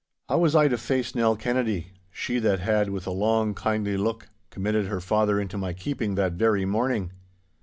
How was I to face Nell Kennedy—she that had with a long, kindly look committed her father into my keeping that very morning?